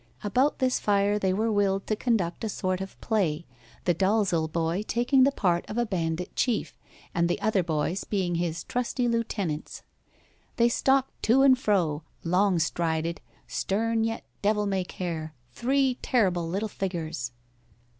About this fire they were willed to conduct a sort of play, the Dalzel boy taking the part of a bandit chief, and the other boys being his trusty lieutenants. They stalked to and fro, long strided, stern yet devil may care, three terrible little figures.